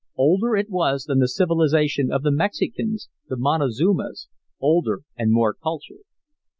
Older it was than the civilization of the Mexicans the Montezumas older and more cultured.